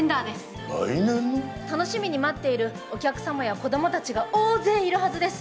楽しみに待っているお客様や子どもたちが大勢いるはずです。